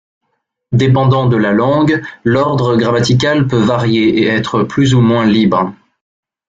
Dépendant de la langue, l’ordre grammatical peut varier et être plus ou moins libre.